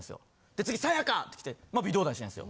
次さや香！ってきて微動だにしないんですよ。